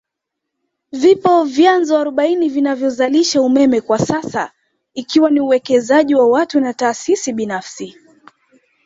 Vipo vyanzo arobaini vinavyozalisha umeme kwasasa ikiwa ni uwekezaji wa watu na taasisi binafsi